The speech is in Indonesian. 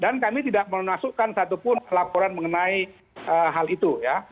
dan kami tidak menasukkan satupun laporan mengenai hal itu ya